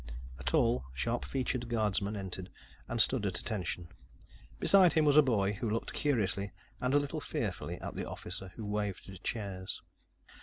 A tall, sharp featured guardsman entered and stood at attention. Beside him was a boy, who looked curiously and a little fearfully at the officer, who waved to chairs.